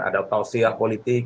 ada utausiah politik